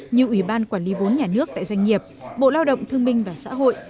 như ủy ban quản lý vốn nhà nước tại doanh nghiệp bộ lao động thương minh và xã hội